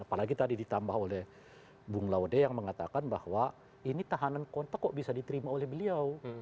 apalagi tadi ditambah oleh bung laude yang mengatakan bahwa ini tahanan kota kok bisa diterima oleh beliau